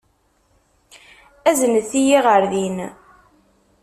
Aznet-iyi ɣer din.